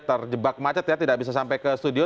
terjebak macet ya tidak bisa sampai ke studio